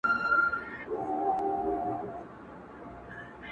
o مه ئې واده، مه ئې نوم.